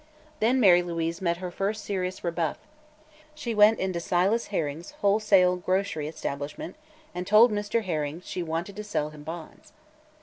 Then Mary Louise met her first serious rebuff. She went into Silas Herring's wholesale grocery establishment and told Mr. Herring she wanted to sell him bonds.